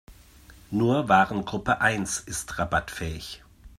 Nur Warengruppe eins ist rabattfähig.